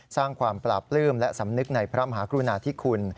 สร้างความปราบปลื้มและสำนึกในพระมหากรุณาธิคุณ